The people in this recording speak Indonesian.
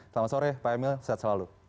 selamat sore pak emil sehat selalu